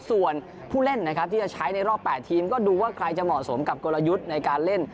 ส่วนผู้เล่นนะครับที่จะใช้ในรอบ๘ทีมก็ดูว่าใครจะเหมาะสมกับกลยุทธ์ในการเล่น